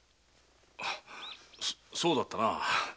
そそうだったなあ。